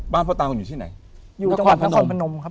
พ่อตาคุณอยู่ที่ไหนอยู่จังหวัดนครพนมครับ